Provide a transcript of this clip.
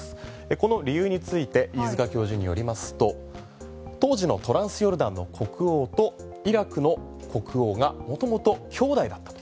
この理由について飯塚教授によりますと当時のトランスヨルダンの国王とイラクの国王が元々兄弟だったと。